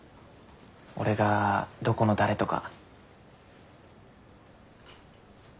俺がどこの誰とか。